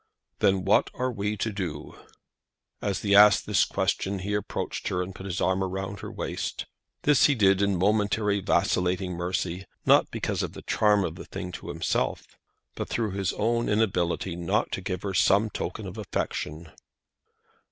"Then what are we to do?" As he asked this question, he approached her and put his arm round her waist. This he did in momentary vacillating mercy, not because of the charm of the thing to himself, but through his own inability not to give her some token of affection.